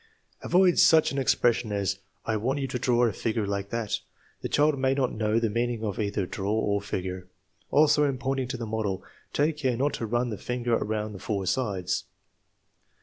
9 Avoid such an expression as, " I want you to draw a figure like that." The child may not know the meaning of either draw or figure. Also, in pointing to the model, take care not to run the finger around the four sides.